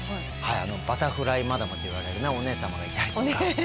バタフライ・マダムと言われるお姉様がいたりとか。